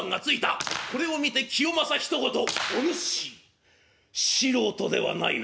これを見て清正ひと言「お主素人ではないな」。